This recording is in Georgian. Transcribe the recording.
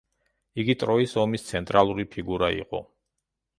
იგი ტროის ომის ცენტრალური ფიგურა იყო.